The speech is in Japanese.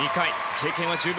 経験は十分。